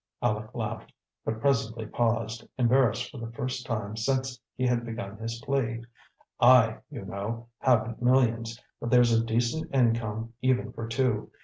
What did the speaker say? '" Aleck laughed, but presently paused, embarrassed for the first time since he had begun his plea. "I, you know, haven't millions, but there's a decent income, even for two.